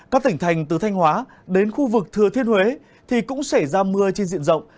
các tỉnh thành từ thanh hóa đến khu vực thừa thiên huế thì cũng xảy ra mưa trên diện rộng